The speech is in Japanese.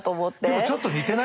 でもちょっと似てない？